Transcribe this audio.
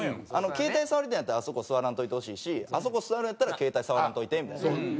「携帯触りたいんやったらあそこ座らんといてほしいしあそこ座るんやったら携帯触らんといて」みたいな。